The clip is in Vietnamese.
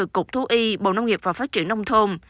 cục thú y bộ nông nghiệp và phát triển nông thôn